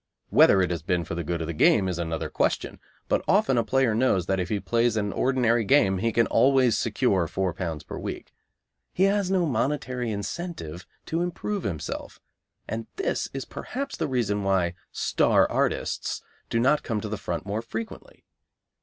Whether it has been for the good of the game is another question, but often a player knows that if he plays an ordinary game he can always secure £4 per week. He has no monetary incentive to improve himself, and this is perhaps the reason why "star artists" do not come to the front more frequently.